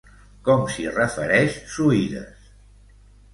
Com s'hi refereix Suides?